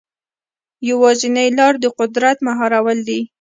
یوازینۍ لاره د قدرت مهارول دي.